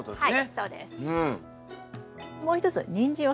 はい。